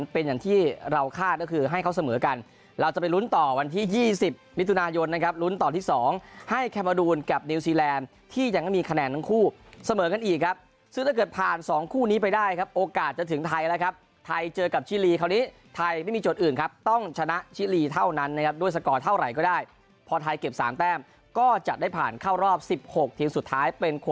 เป็นอย่างที่เราคาดก็คือให้เขาเสมอกันเราจะไปลุ้นต่อวันที่ยี่สิบมิตุนายนนะครับลุ้นต่อที่สองให้แคมมาดูนกับนิวซีแลนด์ที่ยังไม่มีคะแนนทั้งคู่เสมอกันอีกครับซึ่งถ้าเกิดผ่านสองคู่นี้ไปได้ครับโอกาสจะถึงไทยแล้วครับไทยเจอกับชิลีคราวนี้ไทยไม่มีจดอื่นครับต้องชนะชิลีเท่านั้นนะครับด้วยสกอร์เท